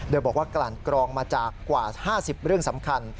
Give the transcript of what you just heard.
โดยบอกว่ากลั่นกรองมาจากกว่า๕๐เรื่องสำคัญ